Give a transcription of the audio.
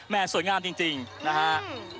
สวยงามจริงนะฮะ